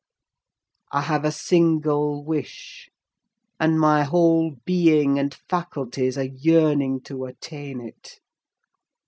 I have a single wish, and my whole being and faculties are yearning to attain it.